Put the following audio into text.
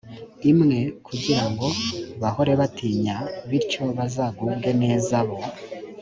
imwe kugira ngo bahore bantinya bityo bazagubwe neza bo